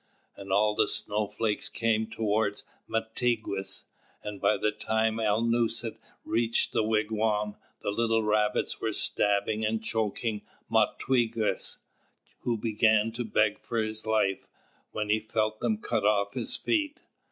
All the snowflakes came toward Mātigwess, and by the time Alnūset reached the wigwam, the little Rabbits were stabbing and choking Mawquejess, who began to beg for his life, when he felt them cut off his feet.